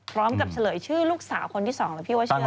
พร้อมกับเฉลยชื่อลูกสาวคนที่สองพี่ว่าชื่ออะไร